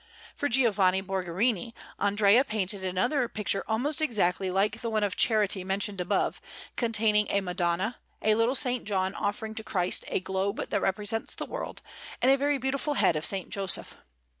For Giovanni Borgherini Andrea painted another picture almost exactly like the one of Charity mentioned above, containing a Madonna, a little S. John offering to Christ a globe that represents the world, and a very beautiful head of S. Joseph.